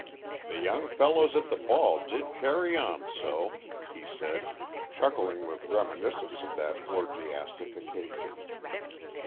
"The young fellows at the ball did carry on so," he said, chuckling with reminiscence of that orgiastic occasion.